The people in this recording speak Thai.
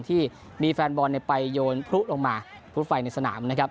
ที่มีแฟนบอลไปโยนพลุลงมาพลุไฟในสนามนะครับ